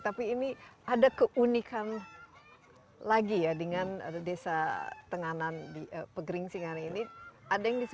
tapi ini ada keunikan lagi ya dengan desa tenganan di pegring singarang ini